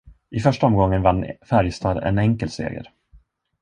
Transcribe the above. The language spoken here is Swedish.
I första omgången vann Färjestad en enkel seger.